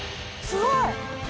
すごい！